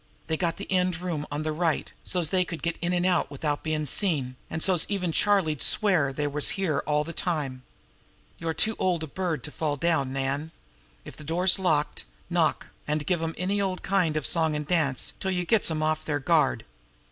"They got the end room on the right, so's they could get in an' out with out bein' seen, an so's even Charlie'd swear they was here all the time. You're too old a bird to fall down, Nan. If the door's locked, knock an' give 'em any old kind of a song an' dance till you gets 'em off their guard.